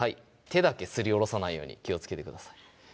手だけすりおろさないように気をつけてください